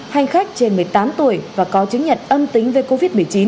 hành khách trên một mươi tám tuổi và có chứng nhận âm tính với covid một mươi chín